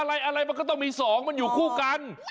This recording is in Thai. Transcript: อะไรมันก็ต้องมี๒มันอยู่คู่กัน